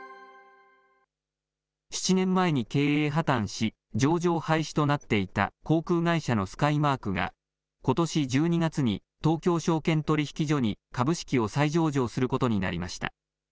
７年前に経営破綻し、上場廃止となっていた航空会社のスカイマークが、ことし１２月に東京証券取引所に株式を再上場することになりまし